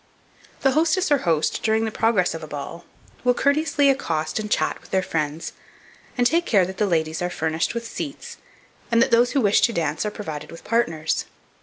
The hostess or host, during the progress of a ball, will courteously accost and chat with their friends, and take care that the ladies are furnished with seats, and that those who wish to dance are provided with partners.